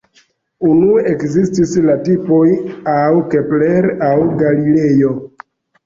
Unue ekzistis la tipoj laŭ Kepler kaj Galilejo.